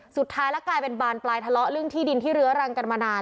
สุดท้ายแล้วกลายเป็นบานปลายทะเลาะเรื่องที่ดินที่เรื้อรังกันมานาน